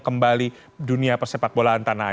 kembali dunia pesepak bola antara